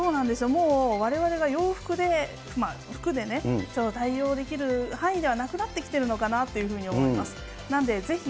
もうわれわれが洋服で、服でね、対応できる範囲ではなくなってきてるのかなというふうに思います。